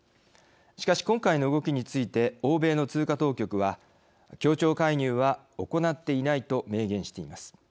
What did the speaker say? しかし今回の動きについて欧米の通貨当局は協調介入は行っていないと明言しています。